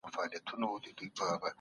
تجربې په علم کې د تاييد وسيله نه دي؟